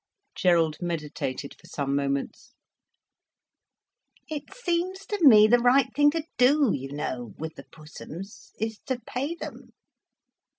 Gerald meditated for some moments. "It seems to me the right thing to do, you know, with the Pussums, is to pay them."